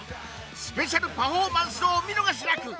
スペシャルパフォーマンスをおみのがしなく。